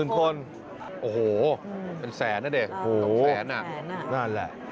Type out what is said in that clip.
๑๐๐๐๐คนโอ้โฮเป็นแสนน่ะเดียว๒แสนน่ะนั่นแหละ